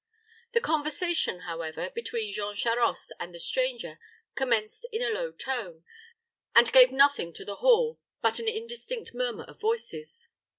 The conversation, however, between Jean Charost and the stranger commenced in a low tone, and gave nothing to the hall but an indistinct murmur of voices.